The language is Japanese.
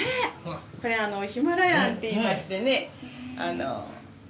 これヒマラヤンっていいましてね。